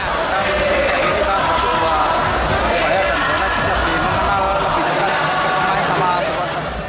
tapi ini sangat bagus buat persebaya karena kita bisa mengetahui lebih dekat dengan supporter